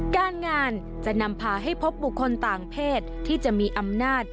การงานจะนำพาให้พบบุคคลต่างเพศที่จะมีอำนาจ